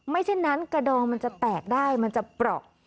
ไม่เช่นนั้นกระดองจะแตกได้มันจะปร่อง